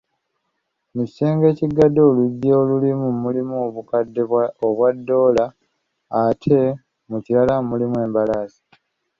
Mu kisenge ekiggaddwa oluggi olumu mulimu obukadde obwa doola, ate mu kirala mulimu embalaasi.